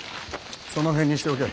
その辺にしておけ。